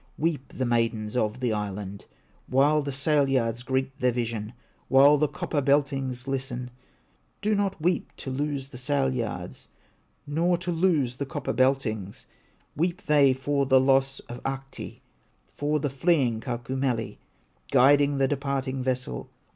Weep the maidens of the island While the sail yards greet their vision, While the copper beltings glisten; Do not weep to lose the sail yards, Nor to lose the copper beltings; Weep they for the loss of Ahti, For the fleeing Kaukomieli Guiding the departing vessel.